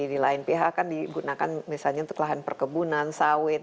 di lain pihak kan digunakan misalnya untuk lahan perkebunan sawit